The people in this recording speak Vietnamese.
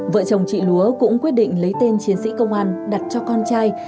vợ chồng chị lúa cũng quyết định lấy tên chiến sĩ công an đặt cho con trai